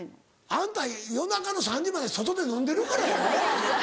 あんた夜中の３時まで外で飲んでるからやろ？